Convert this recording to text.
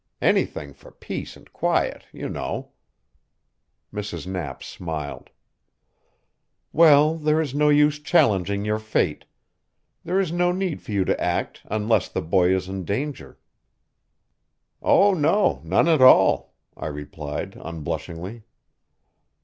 Anything for peace and quiet, you know." Mrs. Knapp smiled. "Well, there is no use challenging your fate. There is no need for you to act, unless the boy is in danger." "Oh, no, none at all," I replied unblushingly.